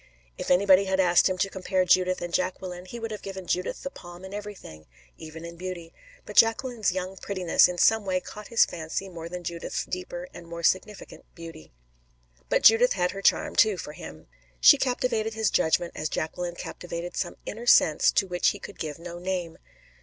If anybody had asked him to compare Judith and Jacqueline, he would have given Judith the palm in everything even in beauty; but Jacqueline's young prettiness in some way caught his fancy more than Judith's deeper and more significant beauty. But Judith had her charm too for him. She captivated his judgment as Jacqueline captivated some inner sense to which he could give no name.